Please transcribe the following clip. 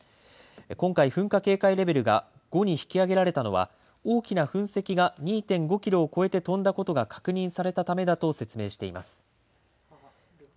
今回、噴火警戒レベルが５に引き上げられたのは、大きな噴石が２．５キロを越えて飛んだことが確認されたためだと説明しています。